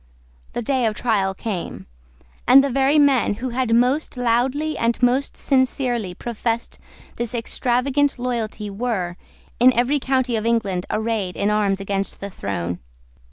The day of trial came; and the very men who had most loudly and most sincerely professed this extravagant loyalty were, in every county of England arrayed in arms against the throne.